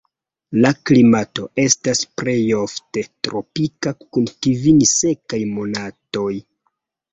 La klimato estas plejofte tropika kun kvin sekaj monatoj.